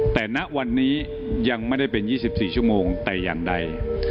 แต่ณวันนี้ยังไม่ได้เป็น๒๔ชั่วโมงแต่อย่างใด